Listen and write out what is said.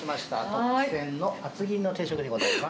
特選の厚切りの定食でございます。